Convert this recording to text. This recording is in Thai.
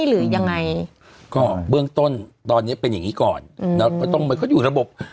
หรือยังไงก็เบื้องต้นตอนเนี้ยเป็นอย่างงี้ก่อนอืมแล้วก็ต้องมันก็อยู่ระบบ